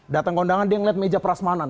datang kondangan dia ngeliat meja prasmanan